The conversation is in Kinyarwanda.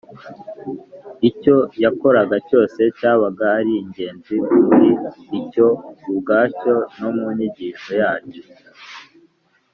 . Icyo yakoraga cyose cyabaga ari ingenzi muri cyo ubwacyo no mu nyigisho yacyo